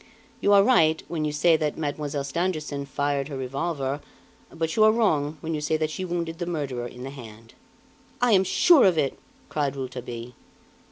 You are right, when you say that Mademoiselle Stangerson fired her revolver, but you are wrong when you say that she wounded the murderer in the hand." "I am sure of it," cried Rouletabille.